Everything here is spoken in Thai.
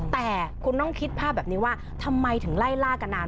แต่คุณต้องคิดภาพแบบนี้ว่าทำไมถึงไล่ล่ากันมา